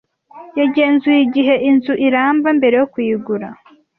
Yagenzuye igihe inzu iramba mbere yo kuyigura.